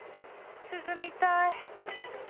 涼みたい